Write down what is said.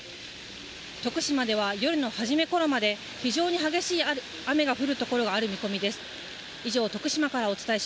徳島では夜のはじめ頃まで非常に激しいある雨が降るところがある見込みです。